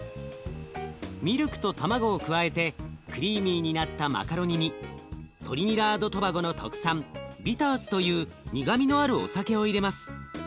ミルクと卵を加えてクリーミーになったマカロニにトリニダード・トバゴの特産ビターズという苦みのあるお酒を入れます。